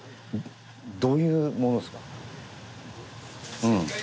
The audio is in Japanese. どういうものですか？